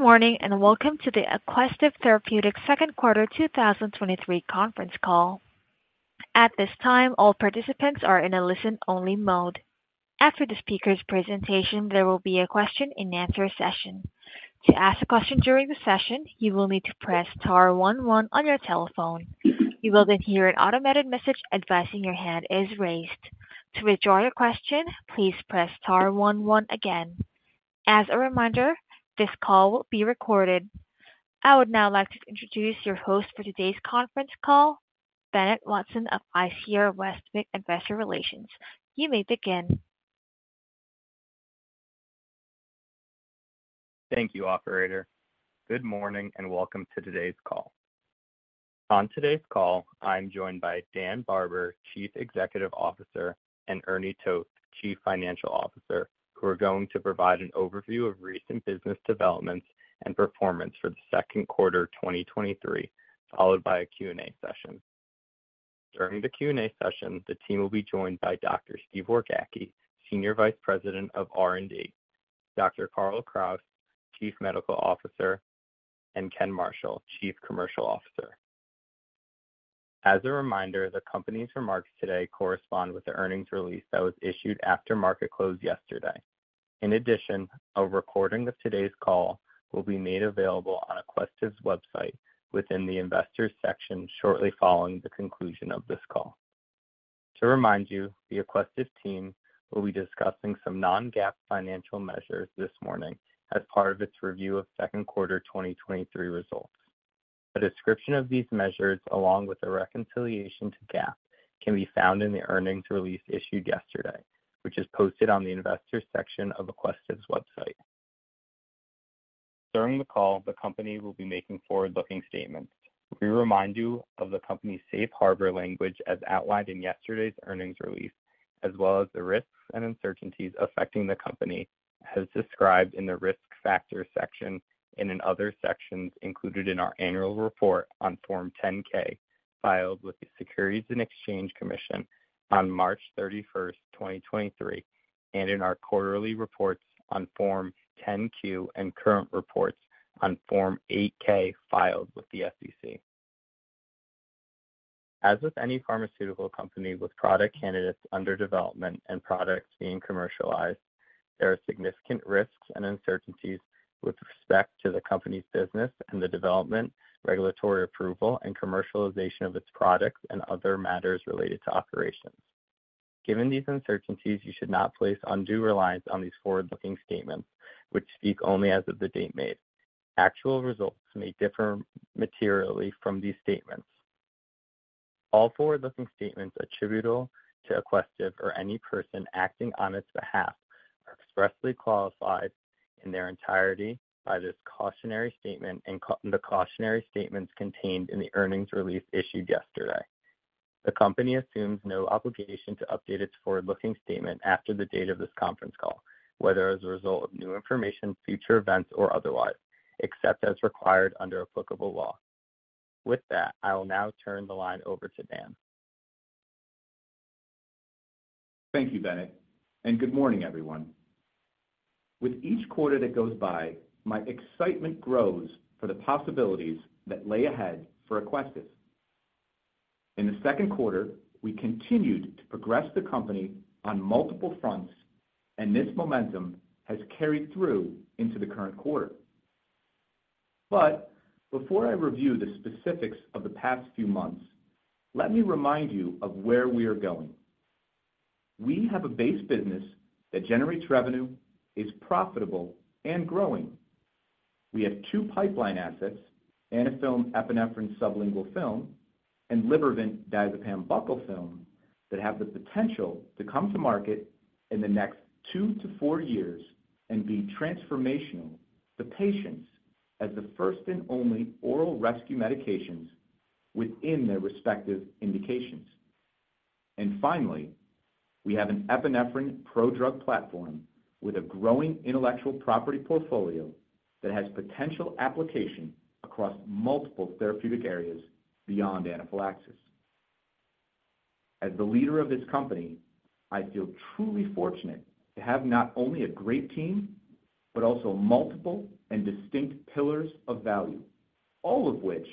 Good morning. Welcome to the Aquestive Therapeutics Second Quarter 2023 Conference Call. At this time, all participants are in a listen-only mode. After the speaker's presentation, there will be a question-and-answer session. To ask a question during the session, you will need to press star 1 on your telephone. You will then hear an automated message advising your hand is raised. To withdraw your question, please press star 11 again. As a reminder, this call will be recorded. I would now like to introduce your host for today's conference call, Bennett Watson of ICR Westwicke Investor Relations. You may begin. Thank you, Operator. Good morning, and welcome to today's call. On today's call, I'm joined by Dan Barber, Chief Executive Officer, and Ernie Toth, Chief Financial Officer, who are going to provide an overview of recent business developments and performance for the second quarter 2023, followed by a Q&A session. During the Q&A session, the team will be joined by Dr. Stephen Wargacki, Senior Vice President of R&D, Dr. Carl Kraus, Chief Medical Officer, and Ken Marshall, Chief Commercial Officer. As a reminder, the company's remarks today correspond with the earnings release that was issued after market close yesterday. In addition, a recording of today's call will be made available on Aquestive's website within the Investors section shortly following the conclusion of this call. To remind you, the Aquestive team will be discussing some non-GAAP financial measures this morning as part of its review of second quarter 2023 results. A description of these measures, along with a reconciliation to GAAP, can be found in the earnings release issued yesterday, which is posted on the Investors section of Aquestive's website. During the call, the company will be making forward-looking statements. We remind you of the company's safe harbor language as outlined in yesterday's earnings release, as well as the risks and uncertainties affecting the company, as described in the Risk Factors section and in other sections included in our annual report on Form 10-K, filed with the Securities and Exchange Commission on March 31st, 2023, and in our quarterly reports on Form 10-Q and current reports on Form 8-K, filed with the SEC. As with any pharmaceutical company with product candidates under development and products being commercialized, there are significant risks and uncertainties with respect to the company's business and the development, regulatory approval, and commercialization of its products and other matters related to operations. Given these uncertainties, you should not place undue reliance on these forward-looking statements, which speak only as of the date made. Actual results may differ materially from these statements. All forward-looking statements attributable to Aquestive or any person acting on its behalf are expressly qualified in their entirety by this cautionary statement and the cautionary statements contained in the earnings release issued yesterday. The company assumes no obligation to update its forward-looking statement after the date of this conference call, whether as a result of new information, future events, or otherwise, except as required under applicable law. With that, I will now turn the line over to Dan. Thank you, Bennett. Good morning, everyone. With each quarter that goes by, my excitement grows for the possibilities that lay ahead for Aquestive. In the second quarter, we continued to progress the company on multiple fronts. This momentum has carried through into the current quarter. Before I review the specifics of the past few months, let me remind you of where we are going. We have a base business that generates revenue, is profitable and growing. We have two pipeline assets, Anaphylm epinephrine sublingual film and Libervant diazepam buccal film, that have the potential to come to market in the next two to four years and be transformational for patients as the first and only oral rescue medications within their respective indications. Finally, we have an epinephrine prodrug platform with a growing intellectual property portfolio that has potential application across multiple therapeutic areas beyond anaphylaxis. As the leader of this company, I feel truly fortunate to have not only a great team, but also multiple and distinct pillars of value, all of which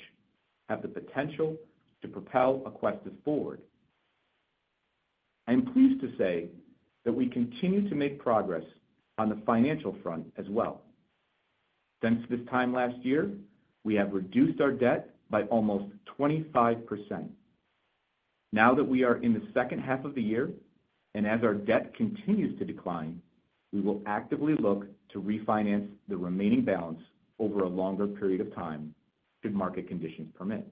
have the potential to propel Aquestive forward. I'm pleased to say that we continue to make progress on the financial front as well. Since this time last year, we have reduced our debt by almost 25%. Now that we are in the second half of the year, and as our debt continues to decline, we will actively look to refinance the remaining balance over a longer period of time, should market conditions permit.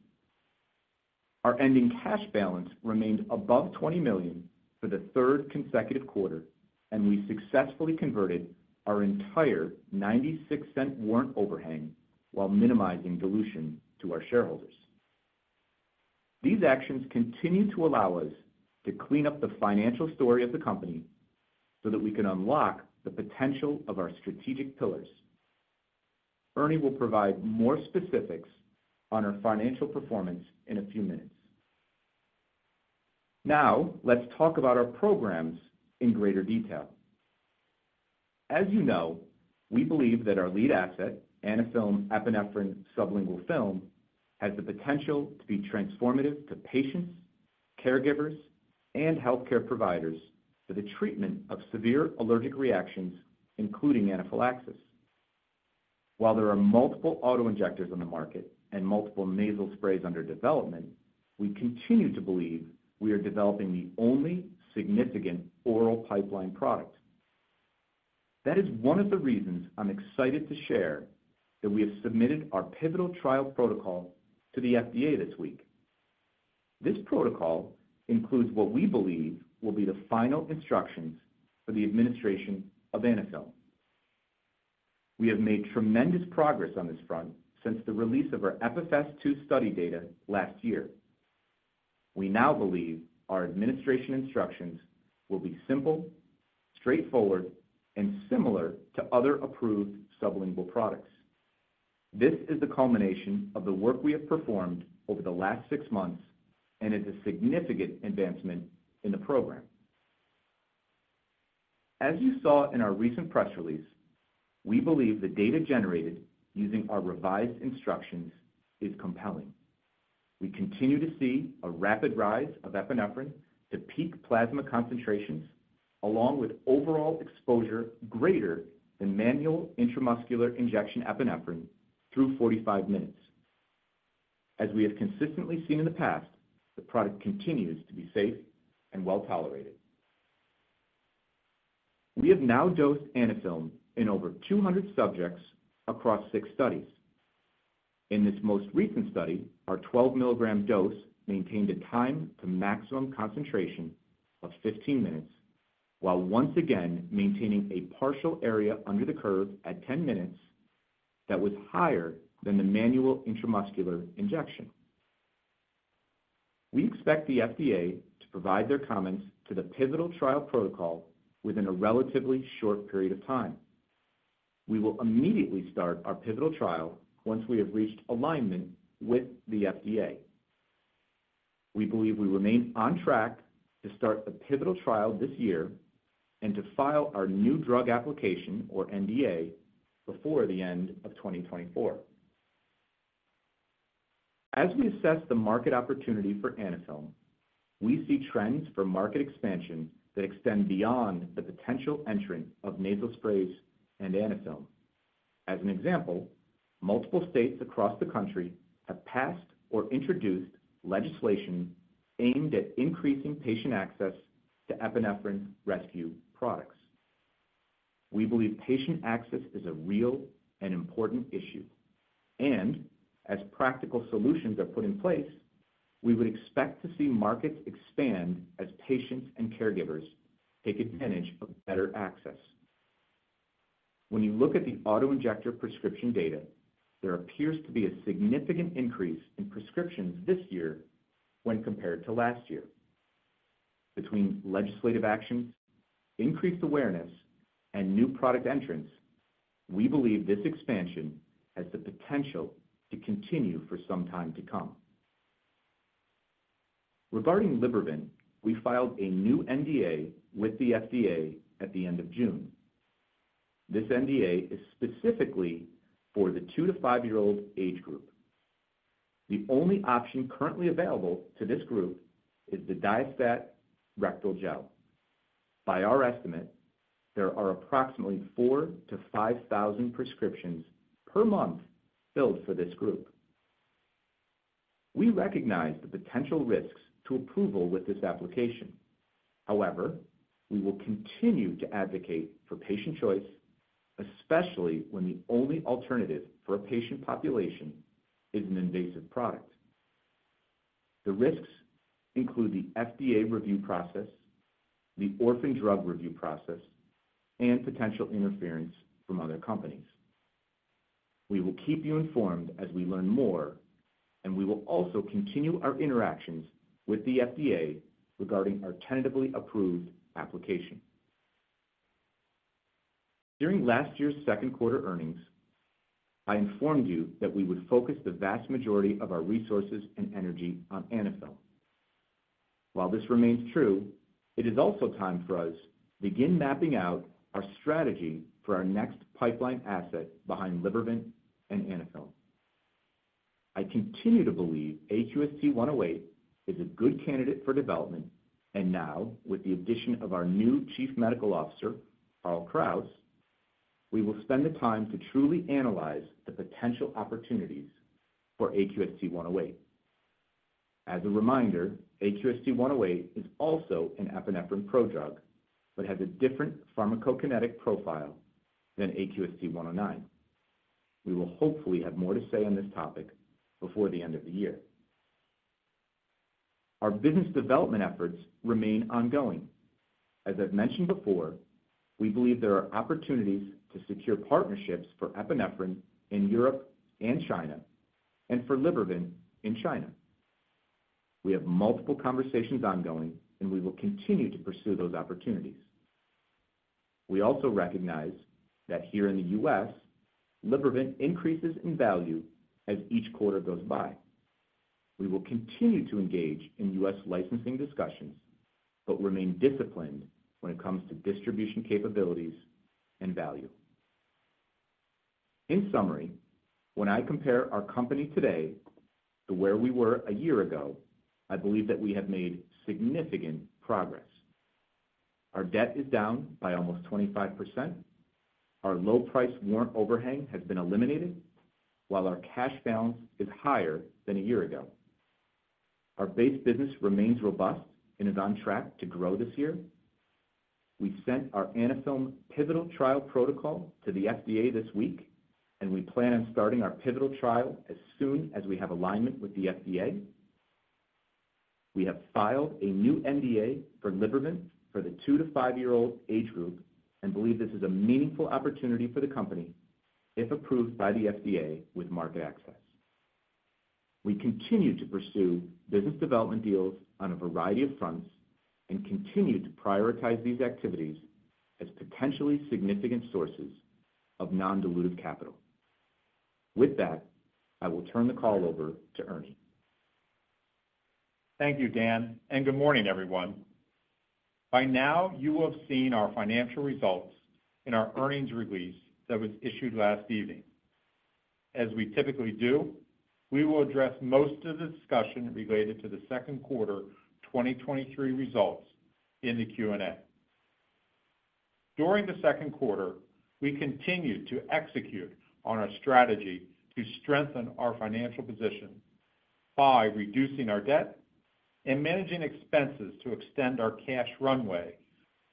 Our ending cash balance remained above $20 million for the third consecutive quarter, and we successfully converted our entire $0.96 warrant overhang while minimizing dilution to our shareholders. These actions continue to allow us to clean up the financial story of the company so that we can unlock the potential of our strategic pillars. Ernie will provide more specifics on our financial performance in a few minutes. Let's talk about our programs in greater detail. As you know, we believe that our lead asset, Anaphylm epinephrine sublingual film, has the potential to be transformative to patients, caregivers, and healthcare providers for the treatment of severe allergic reactions, including anaphylaxis. While there are multiple auto-injectors on the market and multiple nasal sprays under development, we continue to believe we are developing the only significant oral pipeline product. That is one of the reasons I'm excited to share that we have submitted our pivotal trial protocol to the FDA this week. This protocol includes what we believe will be the final instructions for the administration of Anaphylm. We have made tremendous progress on this front since the release of our FFS2 study data last year. We now believe our administration instructions will be simple, straightforward, and similar to other approved sublingual products. This is the culmination of the work we have performed over the last six months and is a significant advancement in the program. As you saw in our recent press release, we believe the data generated using our revised instructions is compelling. We continue to see a rapid rise of epinephrine to peak plasma concentrations, along with overall exposure greater than manual intramuscular injection epinephrine through 45 minutes. As we have consistently seen in the past, the product continues to be safe and well tolerated. We have now dosed Anaphylm in over 200 subjects across six studies. In this most recent study, our 12 mg dose maintained a time to maximum concentration of 15 minutes, while once again maintaining a partial area under the curve at 10 minutes that was higher than the manual intramuscular injection. We expect the FDA to provide their comments to the pivotal trial protocol within a relatively short period of time. We will immediately start our pivotal trial once we have reached alignment with the FDA. We believe we remain on track to start the pivotal trial this year and to file our New Drug Application, or NDA, before the end of 2024. As we assess the market opportunity for Anaphylm, we see trends for market expansion that extend beyond the potential entrant of nasal sprays and Anaphylm. As an example, multiple states across the country have passed or introduced legislation aimed at increasing patient access to epinephrine rescue products. We believe patient access is a real and important issue, and as practical solutions are put in place, we would expect to see markets expand as patients and caregivers take advantage of better access. When you look at the auto-injector prescription data, there appears to be a significant increase in prescriptions this year when compared to last year. Between legislative actions, increased awareness, and new product entrants, we believe this expansion has the potential to continue for some time to come. Regarding Libervant, we filed a new NDA with the FDA at the end of June. This NDA is specifically for the two to five-year-old age group. The only option currently available to this group is the Diastat Rectal Gel. By our estimate, there are approximately four to five thousand prescriptions per month filled for this group. We recognize the potential risks to approval with this application. However, we will continue to advocate for patient choice, especially when the only alternative for a patient population is an invasive product. The risks include the FDA review process, the orphan drug review process, and potential interference from other companies. We will keep you informed as we learn more, and we will also continue our interactions with the FDA regarding our tentatively approved application. During last year's second quarter earnings, I informed you that we would focus the vast majority of our resources and energy on Anaphylm. While this remains true, it is also time for us to begin mapping out our strategy for our next pipeline asset behind Libervant and Anaphylm. I continue to believe AQST-108 is a good candidate for development, and now, with the addition of our new Chief Medical Officer, Carl Kraus, we will spend the time to truly analyze the potential opportunities for AQST-108. As a reminder, AQST-108 is also an epinephrine prodrug but has a different pharmacokinetic profile than AQST-109. We will hopefully have more to say on this topic before the end of the year. Our business development efforts remain ongoing. As I've mentioned before, we believe there are opportunities to secure partnerships for epinephrine in Europe and China, and for Libervant in China. We have multiple conversations ongoing, we will continue to pursue those opportunities. We also recognize that here in the U.S., Libervant increases in value as each quarter goes by. We will continue to engage in U.S. licensing discussions, remain disciplined when it comes to distribution capabilities and value. In summary, when I compare our company today to where we were a year ago, I believe that we have made significant progress. Our debt is down by almost 25%. Our low price warrant overhang has been eliminated, while our cash balance is higher than a year ago. Our base business remains robust and is on track to grow this year. We've sent our Anaphylm pivotal trial protocol to the FDA this week. We plan on starting our pivotal trial as soon as we have alignment with the FDA. We have filed a new NDA for Libervant for the two to five-year-old age group and believe this is a meaningful opportunity for the company, if approved by the FDA with market access. We continue to pursue business development deals on a variety of fronts and continue to prioritize these activities as potentially significant sources of non-dilutive capital. With that, I will turn the call over to Ernie. Thank you, Dan. Good morning, everyone. By now, you will have seen our financial results in our earnings release that was issued last evening. As we typically do, we will address most of the discussion related to the second quarter 2023 results in the Q&A. During the second quarter, we continued to execute on our strategy to strengthen our financial position by reducing our debt and managing expenses to extend our cash runway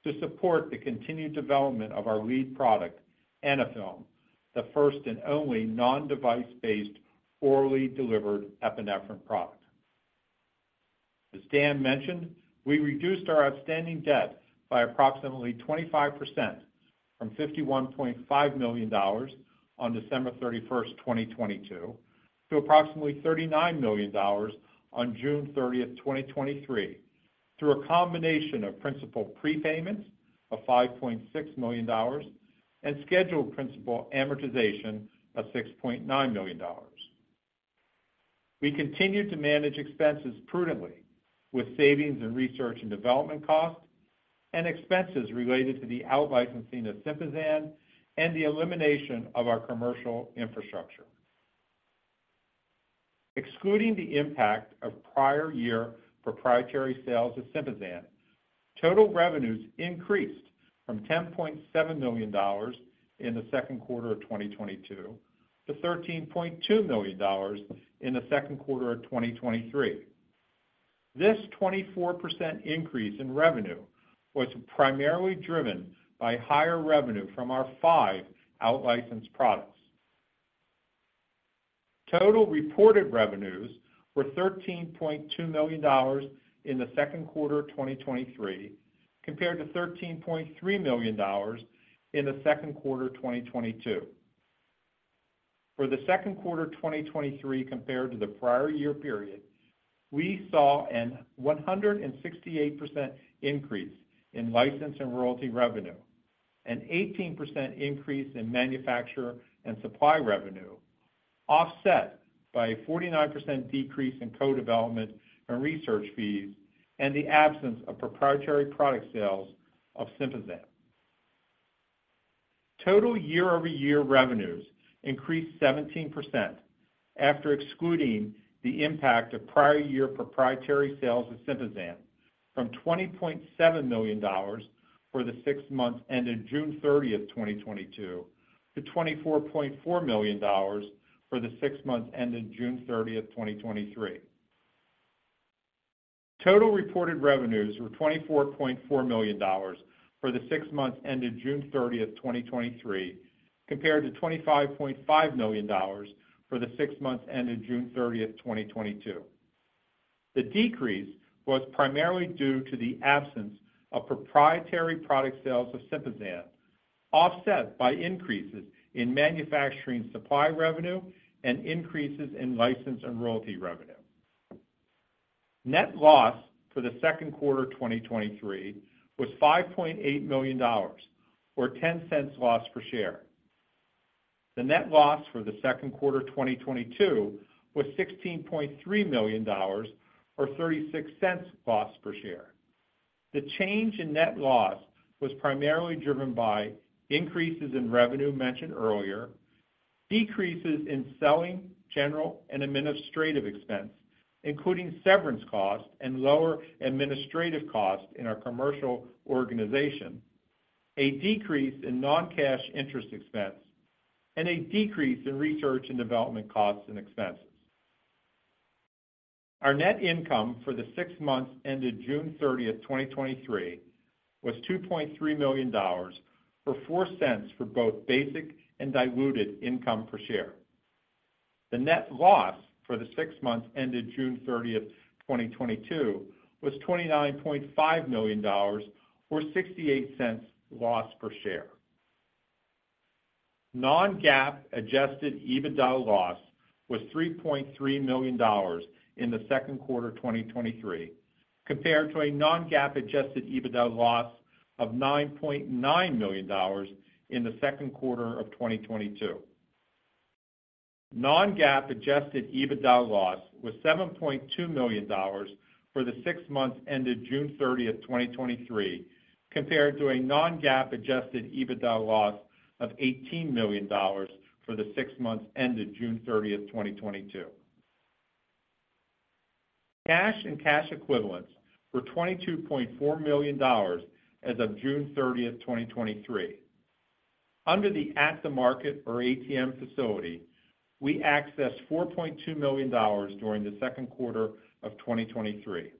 to support the continued development of our lead product, Anaphylm, the first and only non-device-based orally delivered epinephrine product. As Dan mentioned, we reduced our outstanding debt by approximately 25% from $51.5 million on December 31st, 2022, to approximately $39 million on June 30th, 2023, through a combination of principal prepayments of $5.6 million and scheduled principal amortization of $6.9 million. We continued to manage expenses prudently, with savings in research and development costs and expenses related to the out-licensing of Sympazan and the elimination of our commercial infrastructure. Excluding the impact of prior year proprietary sales of Sympazan, total revenues increased from $10.7 million in the second quarter of 2022 to $13.2 million in the second quarter of 2023. This 24% increase in revenue was primarily driven by higher revenue from our five out-licensed products. Total reported revenues were $13.2 million in the second quarter of 2023, compared to $13.3 million in the second quarter of 2022. For the second quarter of 2023 compared to the prior year period, we saw a 168% increase in license and royalty revenue, an 18% increase in manufacturer and supply revenue, offset by a 49% decrease in co-development and research fees and the absence of proprietary product sales of Sympazan. Total year-over-year revenues increased 17% after excluding the impact of prior year proprietary sales of Sympazan from $20.7 million for the six months ended June 30th, 2022, to $24.4 million for the six months ended June 30th, 2023. Total reported revenues were $24.4 million for the six months ended June 30th, 2023, compared to $25.5 million for the six months ended June 30th, 2022. The decrease was primarily due to the absence of proprietary product sales of Sympazan, offset by increases in manufacturing supply revenue and increases in license and royalty revenue. Net loss for the second quarter 2023 was $5.8 million, or $0.10 loss per share. The net loss for the second quarter 2022 was $16.3 million, or $0.36 loss per share. The change in net loss was primarily driven by increases in revenue mentioned earlier, decreases in selling, general, and administrative expense, including severance costs and lower administrative costs in our commercial organization, a decrease in non-cash interest expense, and a decrease in research and development costs and expenses. Our net income for the six months ended June 30th 2023, was $2.3 million, or $0.04 for both basic and diluted income per share. The net loss for the six months ended June 30th, 2022, was $29.5 million, or $0.68 loss per share. Non-GAAP adjusted EBITDA loss was $3.3 million in the second quarter 2023, compared to a non-GAAP adjusted EBITDA loss of $9.9 million in the second quarter of 2022. Non-GAAP adjusted EBITDA loss was $7.2 million for the six months ended June 30th, 2023, compared to a non-GAAP adjusted EBITDA loss of $18 million for the six months ended June 30th, 2022. Cash and cash equivalents were $22.4 million as of June 30th, 2023. Under the at-the-market, or ATM facility, we accessed $4.2 million during the second quarter of 2023.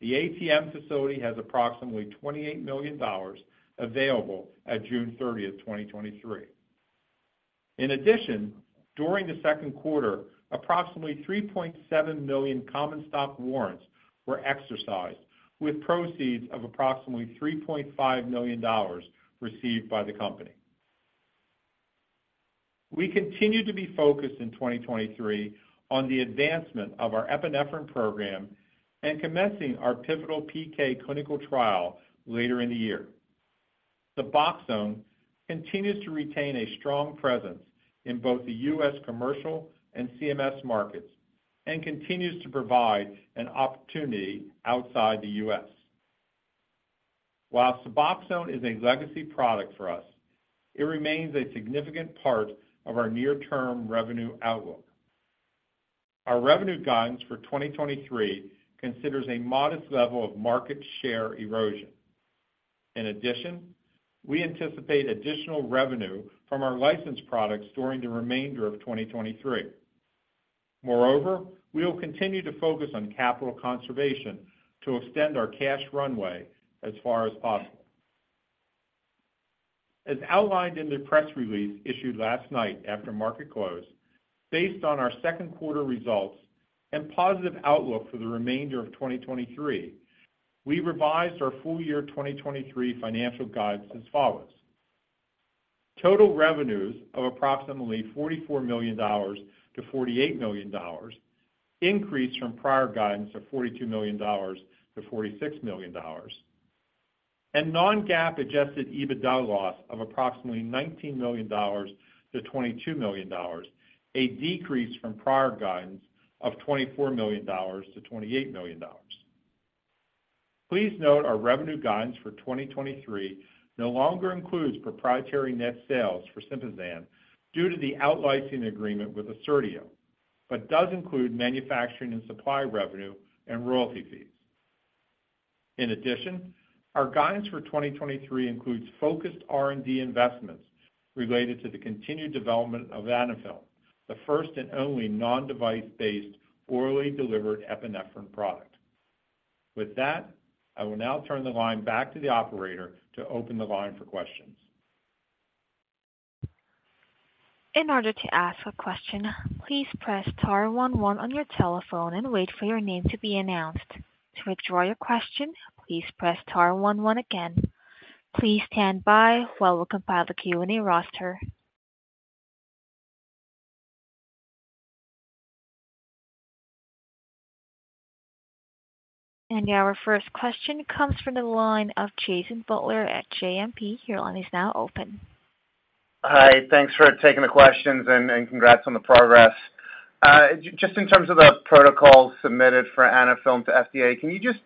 The ATM facility has approximately $28 million available at June 30th, 2023. During the second quarter, approximately 3.7 million common stock warrants were exercised, with proceeds of approximately $3.5 million received by the company. We continue to be focused in 2023 on the advancement of our epinephrine program and commencing our pivotal PK clinical trial later in the year. The Suboxone continues to retain a strong presence in both the U.S. commercial and CMS markets and continues to provide an opportunity outside the US. While Suboxone is a legacy product for us, it remains a significant part of our near-term revenue outlook. Our revenue guidance for 2023 considers a modest level of market share erosion. We anticipate additional revenue from our licensed products during the remainder of 2023. We will continue to focus on capital conservation to extend our cash runway as far as possible. As outlined in the press release issued last night after market close, based on our second quarter results and positive outlook for the remainder of 2023, we revised our full year 2023 financial guidance as follows: Total revenues of approximately $44 million-$48 million, increased from prior guidance of $42 million to $46 million. Non-GAAP adjusted EBITDA loss of approximately $19 million-$22 million, a decrease from prior guidance of $24 million to $28 million. Please note our revenue guidance for 2023 no longer includes proprietary net sales for Sympazan due to the out licensing agreement with Assertio, but does include manufacturing and supply revenue and royalty fees. In addition, our guidance for 2023 includes focused R&D investments related to the continued development of Anaphylm, the first and only non-device-based orally delivered epinephrine product. With that, I will now turn the line back to the operator to open the line for questions. In order to ask a question, please press star one one on your telephone and wait for your name to be announced. To withdraw your question, please press star one one again. Please stand by while we compile the Q&A roster. Our first question comes from the line of Jason Butler at JMP. Your line is now open. Hi, thanks for taking the questions and congrats on the progress. Just in terms of the protocol submitted for Anaphylm to FDA, can you just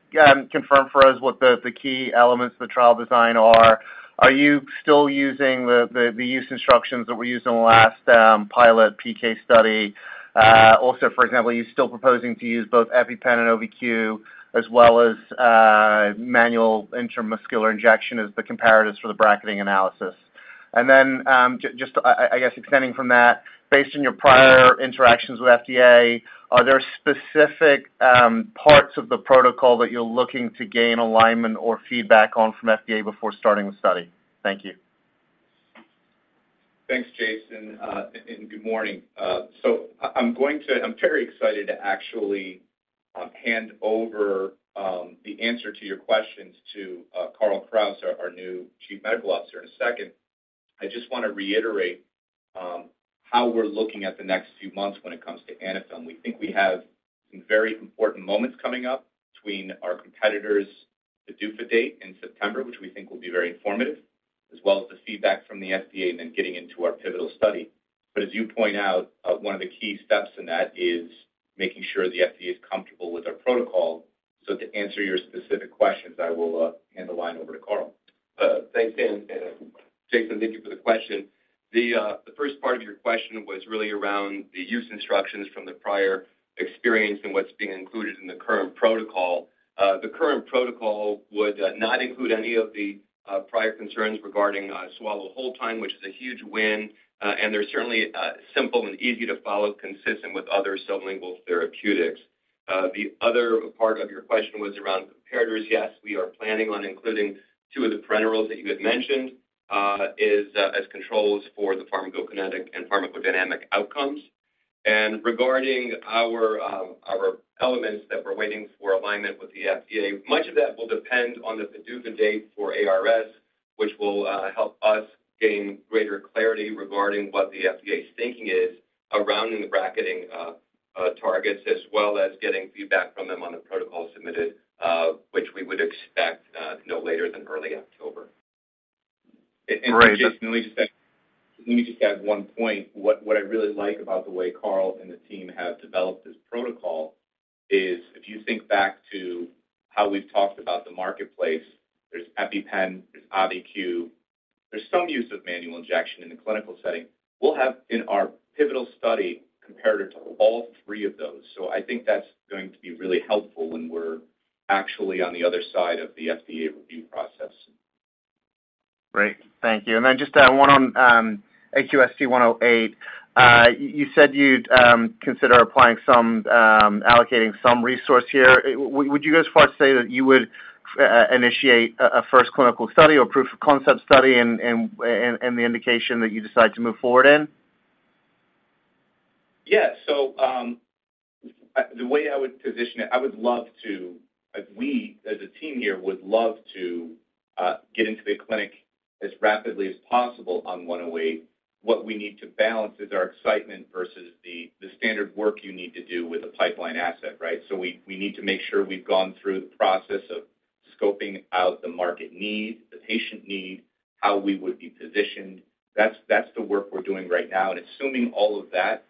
confirm for us what the key elements of the trial design are? Are you still using the use instructions that were used in the last pilot PK study? Also, for example, are you still proposing to use both EpiPen and Auvi-Q, as well as manual intramuscular injection as the comparators for the bracketing analysis? Then, just, I guess extending from that, based on your prior interactions with FDA, are there specific parts of the protocol that you're looking to gain alignment or feedback on from FDA before starting the study? Thank you. Thanks, Jason, and good morning. I'm very excited to actually hand over the answer to your questions to Carl Kraus, our new Chief Medical Officer, in a second. I just want to reiterate how we're looking at the next few months when it comes to Anaphylm. We think we have some very important moments coming up between our competitors, the PDUFA date in September, which we think will be very informative, as well as the feedback from the FDA and then getting into our pivotal study. As you point out, one of the key steps in that is making sure the FDA is comfortable with our protocol. To answer your specific questions, I will hand the line over to Carl. Thanks, Dan. Jason, thank you for the question. The first part of your question was really around the use instructions from the prior experience and what's being included in the current protocol. The current protocol would not include any of the prior concerns regarding swallow whole time, which is a huge win. They're certainly simple and easy to follow, consistent with other sublingual therapeutics. The other part of your question was around comparators. Yes, we are planning on including two of the perennials that you had mentioned, as controls for the pharmacokinetic and pharmacodynamic outcomes. Regarding our elements that we're waiting for alignment with the FDA, much of that will depend on the PDUFA date for ARS, which will help us gain greater clarity regarding what the FDA's thinking is around the bracketing targets, as well as getting feedback from them on the protocol submitted, which we would expect no later than early October. Great. Jason, let me just add one point. What I really like about the way Carl and the team have developed this protocol is, if you think back to how we've talked about the marketplace, there's EpiPen, there's Auvi-Q, there's some use of manual injection in the clinical setting. We'll have in our pivotal study, comparative to all three of those. I think that's going to be really helpful when we're actually on the other side of the FDA review process. Great. Thank you. Then just one on AQST-108. You said you'd consider applying some allocating some resource here. Would you go as far as say that you would initiate a first clinical study or proof of concept study and the indication that you decide to move forward in? Yeah. The way I would position it, I would love to, as we as a team here, would love to get into the clinic as rapidly as possible on 108. What we need to balance is our excitement versus the standard work you need to do with a pipeline asset, right? We, we need to make sure we've gone through the process of scoping out the market need, the patient need, how we would be positioned. That's, that's the work we're doing right now, and assuming all of that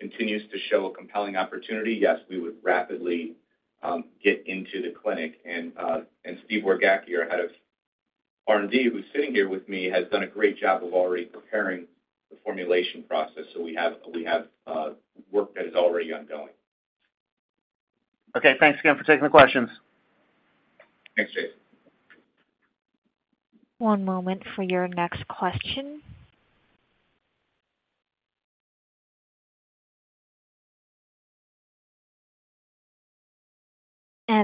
continues to show a compelling opportunity, yes, we would rapidly get into the clinic. Steve Wargacki, our head of R&D, who's sitting here with me, has done a great job of already preparing the formulation process. We have, we have work that is already ongoing. Okay, thanks again for taking the questions. Thanks, Jason. One moment for your next question.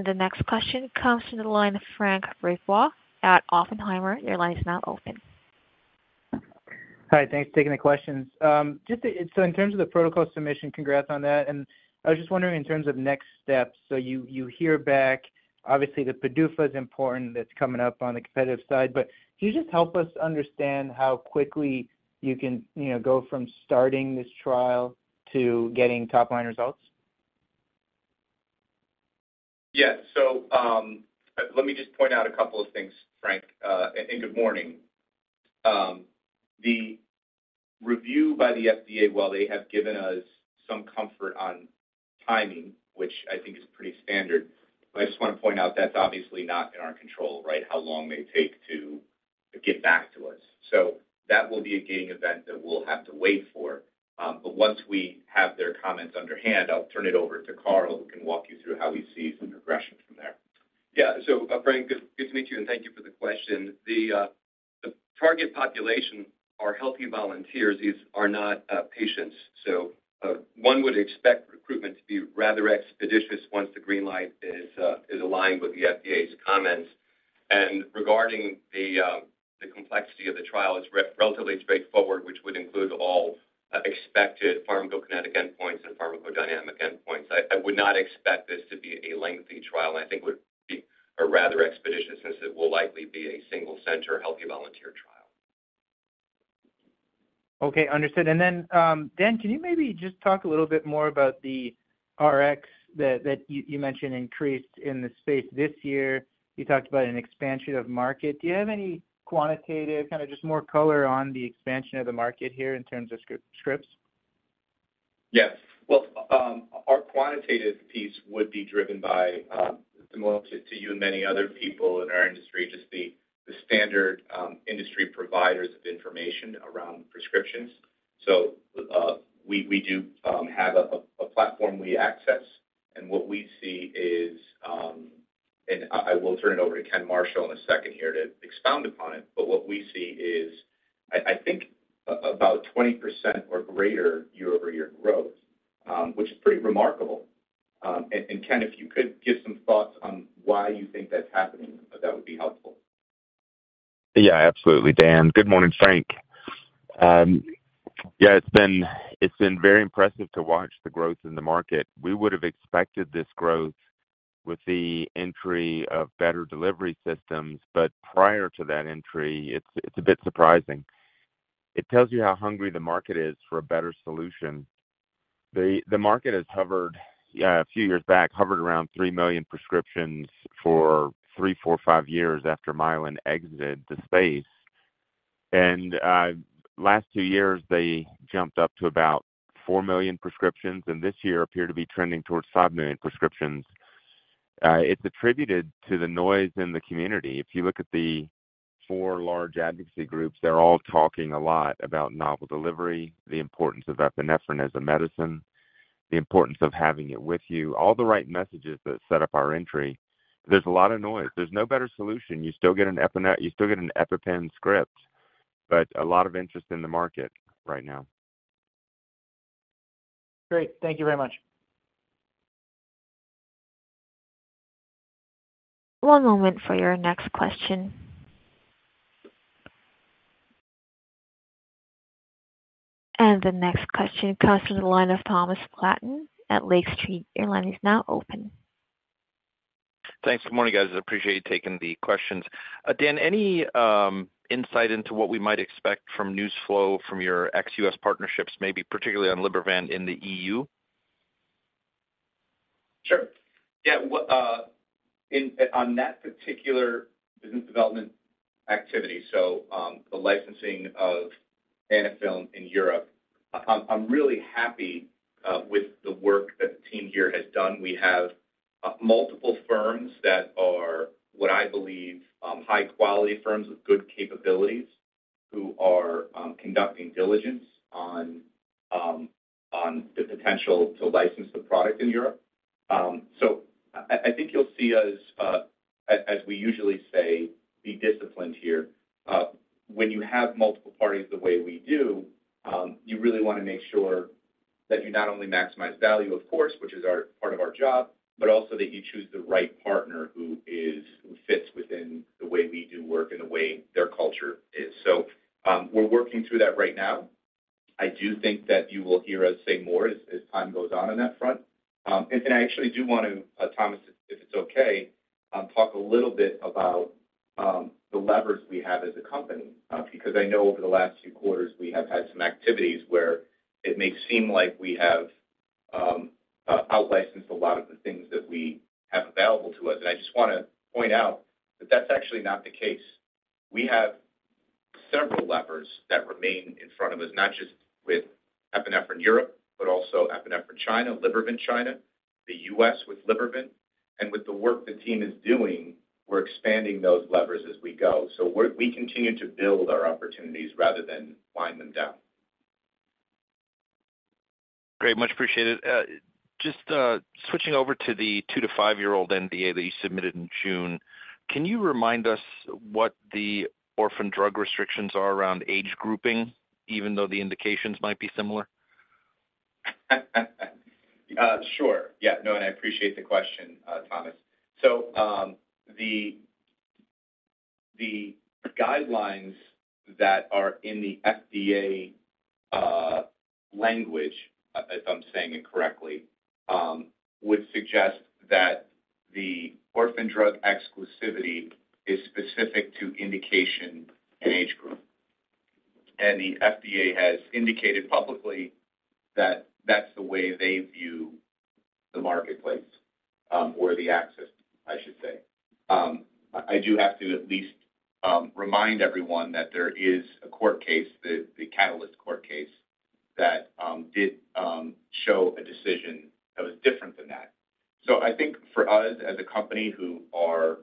The next question comes from the line of François Brisebois at Oppenheimer. Your line is now open. Hi, thanks for taking the questions. Just in terms of the protocol submission, congrats on that. I was just wondering in terms of next steps, you, you hear back, obviously, the PDUFA is important, that's coming up on the competitive side, but can you just help us understand how quickly you can, you know, go from starting this trial to getting top line results? Yes. Let me just point out two things, François, and good morning. The review by the FDA, while they have given us some comfort on timing, which I think is pretty standard, but I just want to point out that's obviously not in our control, right? How long they take to get back to us. That will be a gating event that we'll have to wait for. Once we have their comments under hand, I'll turn it over to Carl, who can walk you through how we see some progression from there. Yeah. François, good, good to meet you, and thank you for the question. The target population are healthy volunteers. These are not patients. One would expect recruitment to be rather expeditious once the green light is aligned with the FDA's comments. Regarding the complexity of the trial, it's relatively straightforward, which would include all expected pharmacokinetic endpoints and pharmacodynamic endpoints. I would not expect this to be a lengthy trial, and I think it would be a rather expeditious, since it will likely be a single-center healthy volunteer trial. Okay, understood. Then, Dan, can you maybe just talk a little bit more about the Rx that, that you, you mentioned increased in the space this year? You talked about an expansion of market. Do you have any quantitative, kind of just more color on the expansion of the market here in terms of scripts? Yes. Well, our quantitative piece would be driven by, similar to you and many other people in our industry, just the standard industry providers of information around prescriptions. We do have a platform we access. What we see is, and I will turn it over to Ken Marshall in a second here to expound upon it. What we see is, I think about 20% or greater year-over-year growth, which is pretty remarkable. And Ken, if you could give some thoughts on why you think that's happening, that would be helpful. Yeah, absolutely, Dan. Good morning, Frank. Yeah, it's been, it's been very impressive to watch the growth in the market. We would have expected this growth with the entry of better delivery systems, but prior to that entry, it's, it's a bit surprising. It tells you how hungry the market is for a better solution. The, the market has hovered, a few years back, hovered around 3 million prescriptions for three, four, five years after Mylan exited the space. Last two years, they jumped up to about 4 million prescriptions, and this year appear to be trending towards 5 million prescriptions. It's attributed to the noise in the community. If you look at the four large advocacy groups, they're all talking a lot about novel delivery, the importance of epinephrine as a medicine, the importance of having it with you, all the right messages that set up our entry. There's a lot of noise. There's no better solution. You still get an EpiPen script, but a lot of interest in the market right now. Great. Thank you very much. One moment for your next question. The next question comes from the line of Thomas Flaten at Lake Street. Your line is now open. Thanks. Good morning, guys. I appreciate you taking the questions. Dan, any insight into what we might expect from news flow from your ex-U.S. partnerships, maybe particularly on Libervant in the EU? Sure. Yeah. Well, in, on that particular business development activity, the licensing of Anaphylm in Europe, I'm, I'm really happy with the work that the team here has done. We have multiple firms that are what I believe, high quality firms with good capabilities, who are conducting diligence on, on the potential to license the product in Europe. I, I think you'll see us, as, as we usually say, be disciplined here. When you have multiple parties the way we do, you really want to make sure that you not only maximize value, of course, which is our, part of our job, but also that you choose the right partner who is, who fits within the way we do work and the way their culture is. We're working through that right now. I do think that you will hear us say more as, as time goes on, on that front. I actually do want to, Thomas, if, if it's okay, talk a little bit about the levers we have as a company. Because I know over the last few quarters, we have had some activities where it may seem like we have outlicensed a lot of the things that we have available to us. I just want to point out that that's actually not the case. We have several levers that remain in front of us, not just with epinephrine Europe, but also epinephrine China, Libervant China, the U.S. with Libervant, and with the work the team is doing, we're expanding those levers as we go. We're, we continue to build our opportunities rather than wind them down. Great, much appreciated. Just switching over to the two to five-year-old NDA that you submitted in June, can you remind us what the orphan drug restrictions are around age grouping, even though the indications might be similar? Sure. Yeah, no, I appreciate the question, Thomas. The guidelines that are in the FDA language, if I'm saying it correctly, would suggest that the orphan drug exclusivity is specific to indication and age group. The FDA has indicated publicly that that's the way they view the marketplace, or the access, I should say. I do have to at least remind everyone that there is a court case, the Catalyst court case, that did show a decision that was different than that. I think for us as a company who are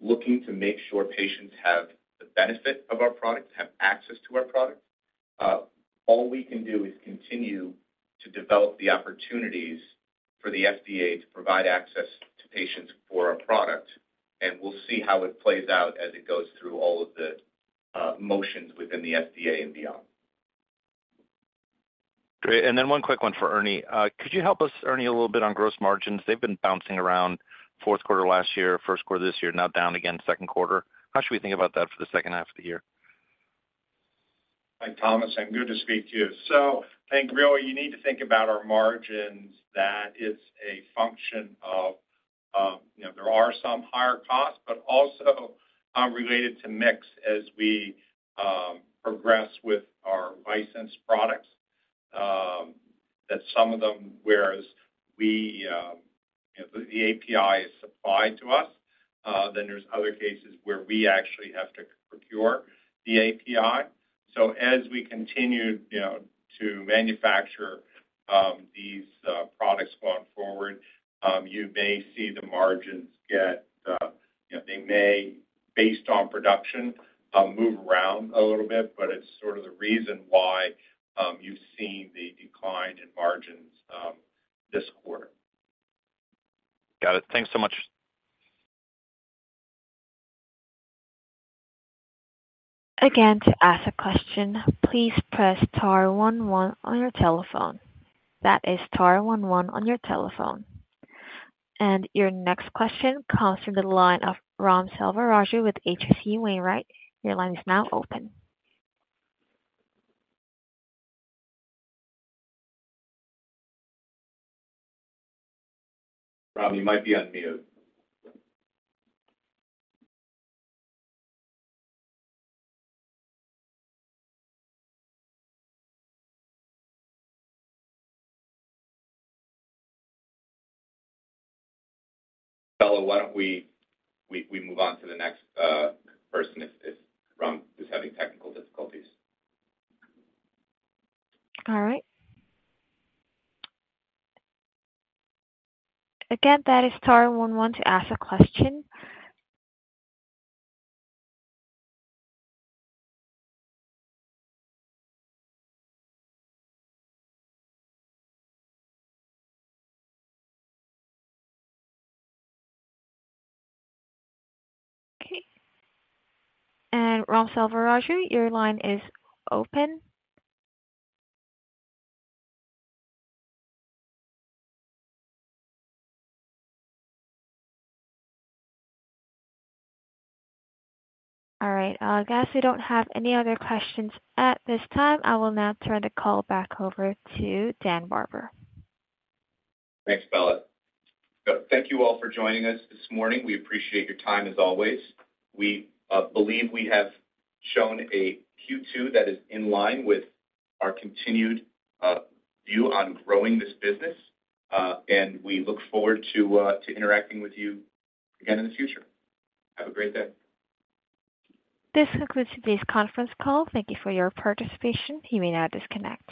looking to make sure patients have the benefit of our products, have access to our product, all we can do is continue to develop the opportunities for the FDA to provide access to patients for our product, and we'll see how it plays out as it goes through all of the motions within the FDA and beyond. Great. Then one quick one for Ernie. Could you help us, Ernie, a little bit on gross margins? They've been bouncing around fourth quarter last year, first quarter this year, now down again, second quarter. How should we think about that for the second half of the year? Hi, Thomas, good to speak to you. I think really you need to think about our margins, that it's a function of, you know, there are some higher costs, but also related to mix as we progress with our licensed products. That some of them, whereas we, you know, the API is supplied to us, then there's other cases where we actually have to procure the API. As we continue, you know, to manufacture these products going forward, you may see the margins get, you know, they may, based on production, move around a little bit, but it's sort of the reason why you've seen the decline in margins this quarter. Got it. Thanks so much. Again, to ask a question, please press star one one on your telephone. That is star one one on your telephone. Your next question comes from the line of Raghuram Selvaraju with H.C. Wainwright. Your line is now open. Raghuram, you might be on mute. Bella, why don't we, we, we move on to the next person if, if Raghuram is having technical difficulties. All right. Again, that is star 11 to ask a question. Okay. Raghuram Selvaraju, your line is open. All right, I guess we don't have any other questions at this time. I will now turn the call back over to Dan Barber. Thanks, Bella. Thank you all for joining us this morning. We appreciate your time as always. We believe we have shown a Q2 that is in line with our continued view on growing this business, and we look forward to interacting with you again in the future. Have a great day. This concludes today's conference call. Thank you for your participation. You may now disconnect.